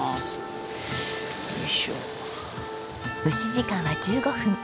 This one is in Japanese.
蒸し時間は１５分。